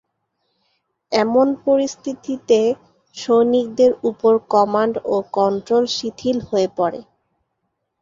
এমন পরিস্থিতিতে সৈনিকদের উপর কমান্ড ও কন্ট্রোল শিথিল হয়ে পড়ে।